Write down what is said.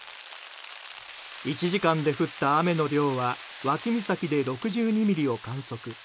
１時間で降った雨の量は脇岬で６２ミリを観測。